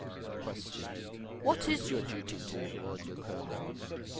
Q. What is your duty towards your Colonel?